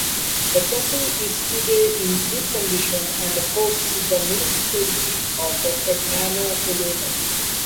The castle is today in good condition and hosts the municipality of Fagnano Olona.